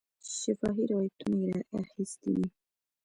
شفاهي روایتونه یې را اخیستي دي.